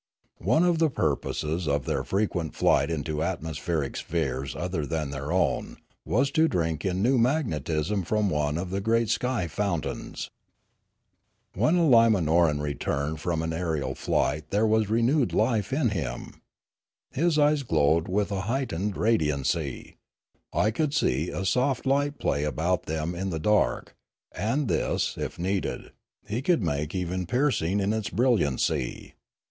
One of the purposes of their frequent flight into atmospheric spheres other than their own was to drink in new mag netism from one of the great sky fountains. When a Limanoran returned from an aerial flight there was renewed life in him. His eyes glowed with a heightened radiancy; I could see a soft light play about them in the dark, and this, if needed, he could make even piercing in its brilliancy.